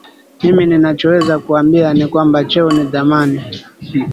mimi ninachoweza kuwaambia ni kwamba cheo ni dhamani